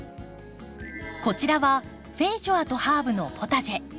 こちらはフェイジョアとハーブのポタジェ。